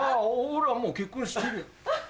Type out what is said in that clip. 俺はもう結婚してるよ。